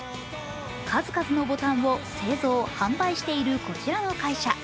数々のボタンを製造・販売しているこちらの会社。